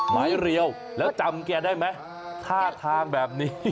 เรียวแล้วจำแกได้ไหมท่าทางแบบนี้